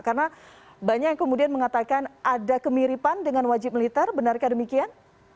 karena banyak yang kemudian mengatakan ada kemiripan dengan wajib militer benarkah demikian